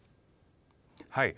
はい。